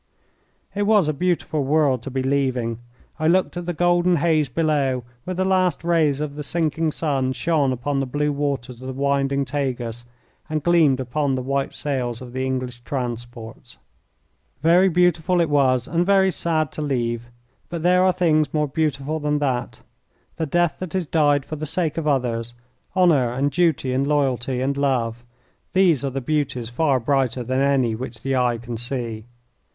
It was a beautiful world to be leaving. I looked at the golden haze below, where the last rays of the sinking sun shone upon the blue waters of the winding Tagus and gleamed upon the white sails of the English transports. Very beautiful it was, and very sad to leave; but there are things more beautiful than that. The death that is died for the sake of others, honour, and duty, and loyalty, and love these are the beauties far brighter than any which the eye can see.